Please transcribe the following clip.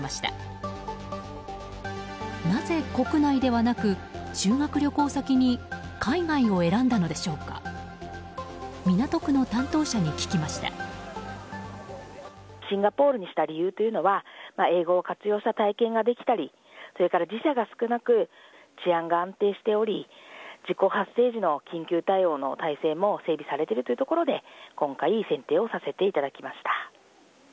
ショッピングにした理由というのは英語を活用した体験ができたりそれから時差が少なく治安が安定しており事故発生時の緊急対応の体制も整備されているというところで今回設定をさせていただきました。